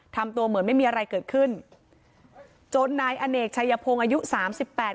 ทำตัวเหมือนไม่มีอะไรเกิดขึ้นจนนายอเนกชัยพงศ์อายุสามสิบแปด